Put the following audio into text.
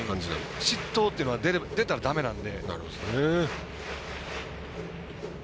失投というのが出たらだめなので。